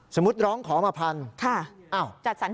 สมมุติร้องขอมาพันธุ์จัดสรจิงเท่าไหร่